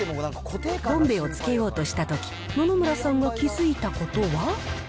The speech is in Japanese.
ボンベをつけようとしたとき、野々村さんが気付いたことは。